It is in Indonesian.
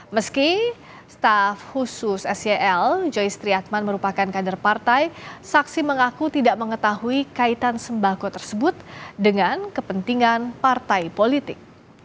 meski staf khusus sel joy triatman merupakan kader partai saksi mengaku tidak mengetahui kaitan sembako tersebut dengan kepentingan partai politik